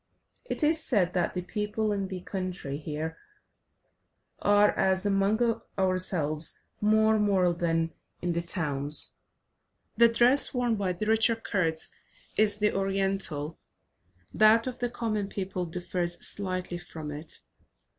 It is said that the people in the country here are, as among ourselves, more moral than in the towns. The dress worn by the richer Kurds is the Oriental, that of the common people differs slightly from it.